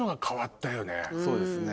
そうですね。